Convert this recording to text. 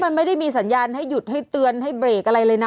มันไม่ได้มีสัญญาณให้หยุดให้เตือนให้เบรกอะไรเลยนะ